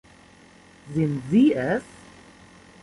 Sind Sie es?